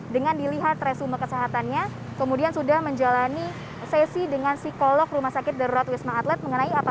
dengan dilihat resume kesehatannya kemudian sudah menjalani sesi dengan psikolog rumah sakit darurat wisma atlet mengenai apa